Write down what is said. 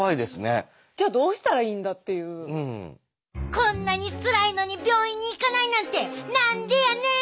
こんなにつらいのに病院に行かないなんて何でやねん！